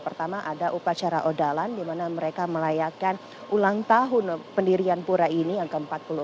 pertama ada upacara odalan di mana mereka merayakan ulang tahun pendirian pura ini yang ke empat puluh enam